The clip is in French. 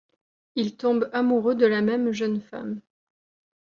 Ils tombent amoureux de la même jeune femme.